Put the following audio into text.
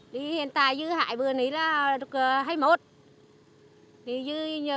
thì hiện tại dự hại bữa này là hai mươi một đồng